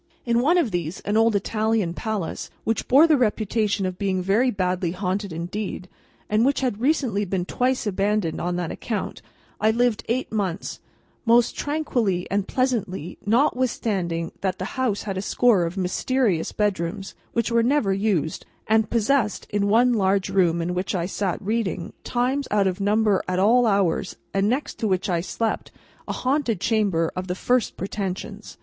In one of these, an old Italian palace, which bore the reputation of being very badly haunted indeed, and which had recently been twice abandoned on that account, I lived eight months, most tranquilly and pleasantly: notwithstanding that the house had a score of mysterious bedrooms, which were never used, and possessed, in one large room in which I sat reading, times out of number at all hours, and next to which I slept, a haunted chamber of the first pretensions.